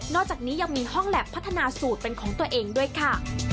อกจากนี้ยังมีห้องแล็บพัฒนาสูตรเป็นของตัวเองด้วยค่ะ